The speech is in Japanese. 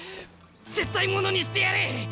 絶対ものにしてやる！